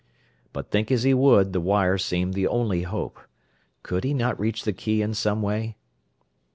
But think as he would, the wire seemed the only hope. Could he not reach the key in some way?